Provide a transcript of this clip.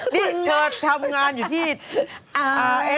นี่เธอทำงานอยู่ที่อ่า